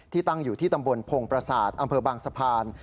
ตั้งอยู่ที่ตำบลพงประสาทอำเภอบางสะพาน